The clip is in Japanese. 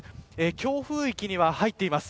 強風域には入っています。